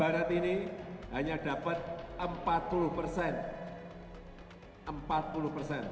alhamdulillah sudah menang